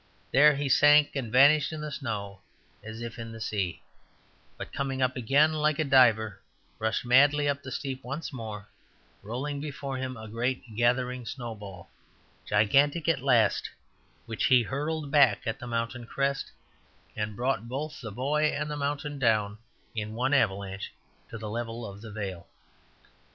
There he sank and vanished in the snow as if in the sea; but coming up again like a diver rushed madly up the steep once more, rolling before him a great gathering snowball, gigantic at last, which he hurled back at the mountain crest, and brought both the boy and the mountain down in one avalanche to the level of the vale.